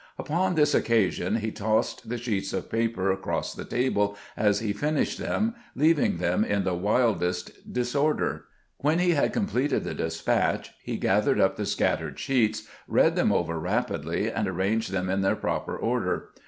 Upon this occasion he tossed the sheets of paper across the table as he finished them, leaving them in the wildest disorder. When he had completed the despatch, he gathered up the scattered sheets, read them over rapidly, and arranged them in their proper order.